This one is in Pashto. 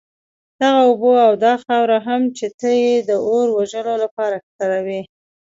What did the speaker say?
دغه اوبه او دا خاوره هم چي ته ئې د اور وژلو لپاره كاروې